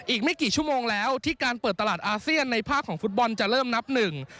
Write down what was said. อีกไม่กี่ชั่วโมงแล้วที่การเปิดตลาดอาเซียนในภาคของฟุตบอลจะเริ่มนับหนึ่ง